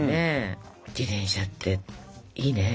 自転車っていいね。